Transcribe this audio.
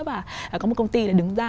và có một công ty là đứng ra